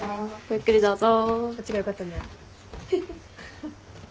ゆっくりどうぞ。